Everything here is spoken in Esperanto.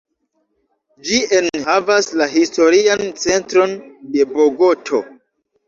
Ĝi enhavas la historian centron de Bogoto.